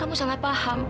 kamu salah paham